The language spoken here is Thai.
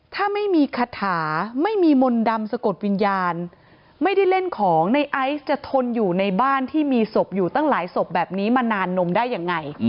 ถ้าไม่มีคาถาไม่มีมนต์ดำสะกดวิญญาณไม่ได้เล่นของในไอซ์จะทนอยู่ในบ้านที่มีศพอยู่ตั้งหลายศพแบบนี้มานานนมได้ยังไง